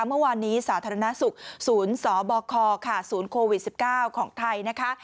เมื่อวานนี้สาธารณสุขศูนย์สบคศูนย์โควิด๑๙ของไทยนะคะ